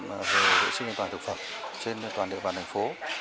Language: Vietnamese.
về vệ sinh an toàn thực phẩm trên toàn địa bàn thành phố